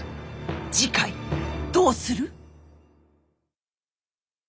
次回どうする？